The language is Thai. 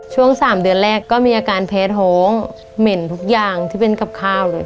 ช่วง๓เดือนแรกก็มีอาการเพชรโฮงเหม็นทุกอย่างที่เป็นกับข้าวเลย